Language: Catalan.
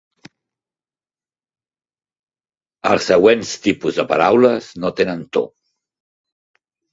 Els següents tipus de paraules no tenen to.